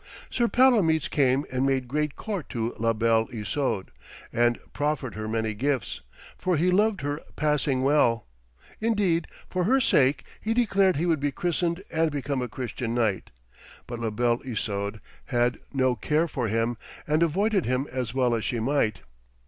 Sir Palomides came and made great court to La Belle Isoude, and proffered her many gifts, for he loved her passing well. Indeed, for her sake he declared he would be christened and become a Christian knight; but La Belle Isoude had no care for him, and avoided him as well as she might.